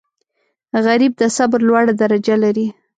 غریب د صبر لوړه درجه لري